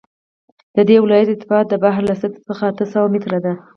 د دې ولایت ارتفاع د بحر له سطحې څخه اته سوه متره ده